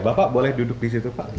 bapak boleh duduk di situ pak